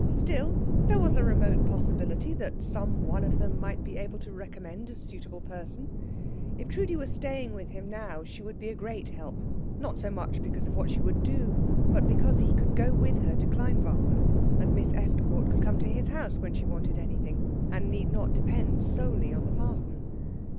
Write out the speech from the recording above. Still, there was a remote possibility that some one of them might be able to recommend a suitable person. If Trudi were staying with him now she would be a great help; not so much because of what she would do, but because he could go with her to Kleinwalde, and Miss Estcourt could come to his house when she wanted anything, and need not depend solely on the parson.